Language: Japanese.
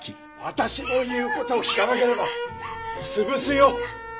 私の言う事を聞かなければ潰すよ。